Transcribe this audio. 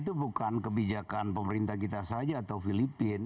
itu bukan kebijakan pemerintah kita saja atau filipina